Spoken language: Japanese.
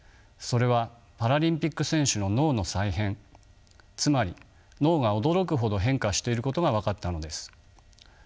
それはパラリンピック選手の「脳の再編」つまり脳が驚くほど変化していることが分かったのです。